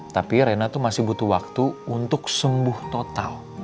tapi reyna tuh masih butuh waktu untuk sembuh total